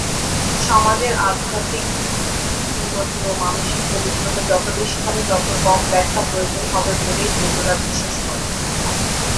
সমাজের আধ্যাত্মিক উন্নতি ও মানসিক পবিত্রতা যত বেশি হবে, তত কম ব্যাখ্যা প্রয়োজন হবে বলেই জৈনরা বিশ্বাস করেন।